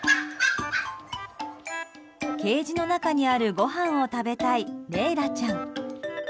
ケージの中にあるごはんを食べたいレイラちゃん。